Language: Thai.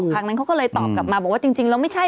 ครั้งนั้นเขาก็เลยตอบกลับมาบอกว่าจริงแล้วไม่ใช่